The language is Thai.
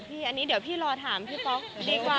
ก็บอกว่าเซอร์ไพรส์ไปค่ะ